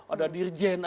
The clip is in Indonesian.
ada dirjen ada dirjen